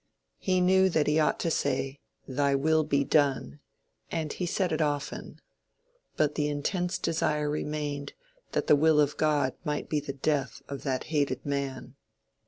He knew that he ought to say, "Thy will be done;" and he said it often. But the intense desire remained that the will of God might be the death of that hated man.